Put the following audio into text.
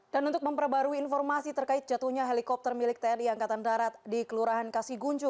dan untuk memperbarui informasi terkait jatuhnya helikopter milik tni angkatan darat di kelurahan kasiguncu